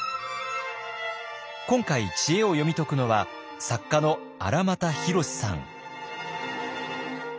今回知恵を読み解くのは作家の荒俣宏さん。